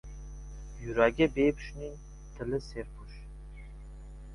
• Yuragi bepushtning tili serpush.